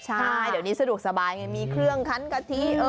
ใช่เดี๋ยวนี้สะดวกสบายไงมีเครื่องคันกะทิ